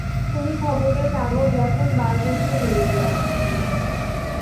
তুমি খবরের কাগজ এখন বার করতে লেগে যাও।